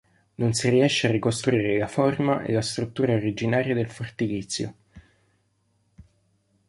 Non si riesce a ricostruire la forma e la struttura originaria del fortilizio.